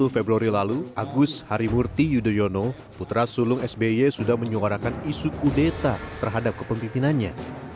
dua puluh februari lalu agus harimurti yudhoyono putra sulung sby sudah menyuarakan isu kudeta terhadap kepemimpinannya